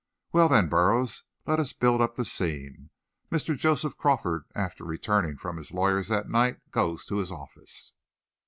"Well, then, Burroughs, let us build up the scene. Mr. Joseph Crawford, after returning from his lawyer's that night, goes to his office.